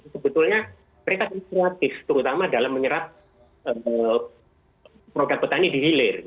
sebetulnya mereka kreatif terutama dalam menyerap produk petani di hilir